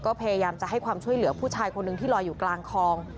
ก็พยายามจะให้ความช่วยเหลือผู้ชายคนหนึ่งที่ลอยอยู่กลางคลอง